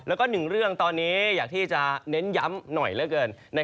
แล้วก็หนึ่งเรื่องตอนนี้อยากที่จะเน้นย้ำหน่อยเหลือเกิน